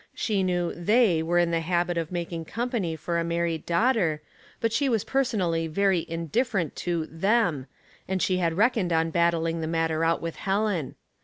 She knew " they " were in the habit of making company for a married daughter, but she was personally very indifferent to '' them," and she had reckoned on battling the matter out with Helen.